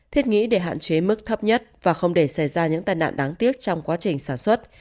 thiết nghĩ để hạn chế mức thấp nhất và không để xảy ra những tai nạn đáng tiếc trong quá trình sản xuất